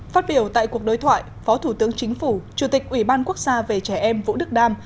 phát biểu tại cuộc đối thoại phó thủ tướng chính phủ chủ tịch ủy ban quốc gia về trẻ em vũ đức đam